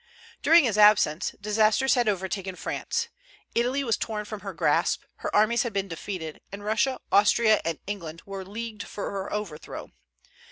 During his absence disasters had overtaken France. Italy was torn from her grasp, her armies had been defeated, and Russia, Austria, and England were leagued for her overthrow.